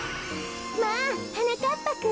まあはなかっぱくん。